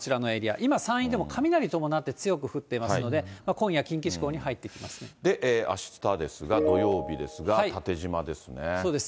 今、山陰でも雷伴って強く降ってますので、今夜、近畿地方に入ってきあしたですが、土曜日ですが、縦じまですね。